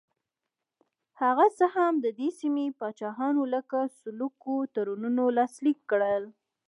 که څه هم د دې سیمې پاچاهانو لکه سلوکو تړونونه لاسلیک کړل.